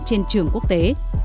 trên trường quốc tế